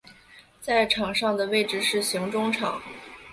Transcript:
在场上的位置是型中场。